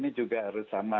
ini juga harus sama